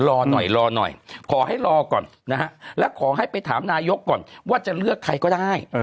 รอหน่อยรอหน่อยขอให้รอก่อนนะฮะและขอให้ไปถามนายกก่อนว่าจะเลือกใครก็ได้